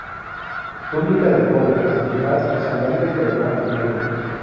Túnica de cola, antifaz y sandalias de ruán negro.